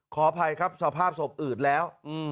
ขออภัยครับสภาพศพอืดแล้ว